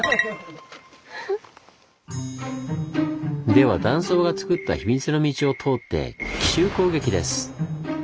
では断層がつくった秘密の道を通って奇襲攻撃です！